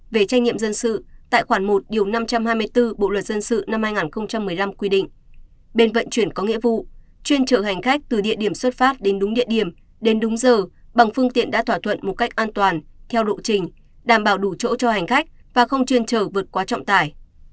về trách nhiệm dân sự tại khoản một năm trăm hai mươi bốn bộ luật dân sự năm hai nghìn một mươi năm quy định bên vận chuyển có nghĩa vụ chuyên trở hành khách từ địa điểm xuất phát đến đúng địa điểm đến đúng giờ bằng phương tiện đã thỏa thuận một cách an toàn theo độ trình đảm bảo đủ chỗ cho hành khách và không chuyên trở vượt quá trọng tải